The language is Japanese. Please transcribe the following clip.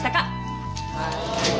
はい。